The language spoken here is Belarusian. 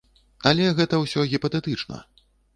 Але гэта ўсё гіпатэтычна.